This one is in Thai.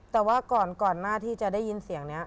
แต่ว่าก่อนหน้าที่จะได้ยินเสียงนี้